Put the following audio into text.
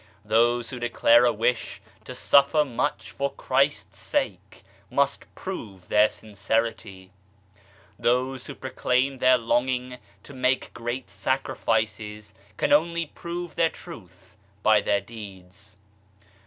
Those who declare a wish to suffer much for Christ's sake must prove their sincerity ; those who proclaim their longing to make great sacrifices can only prove their truth by their deeds.